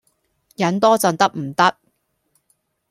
忍多陣得唔得